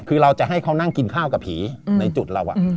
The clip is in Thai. คือเราจะให้เขานั่งกินข้าวกับผีในจุดเรา